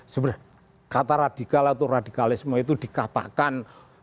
sebenarnya kata radikal atau radikalisme itu dikatakan